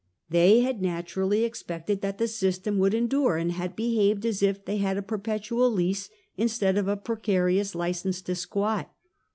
They had naturally expected that the system would endure, and had behaved as if they had a perpetual lease instead of a precarious license to squat.